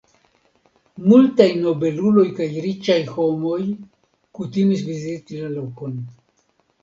Multaj nobeluloj kaj riĉaj homoj kutimis viziti la lokon.